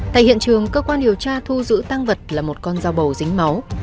tại hiện trường cơ quan điều tra thu giữ tăng vật là một con dao bầu dính máu